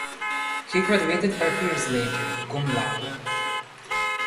He graduated five years later (cum laude).